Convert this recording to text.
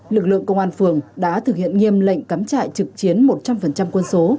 lực lượng công an phường đã thực hiện nghiêm lệnh cắm trại trực chiến một trăm linh quân số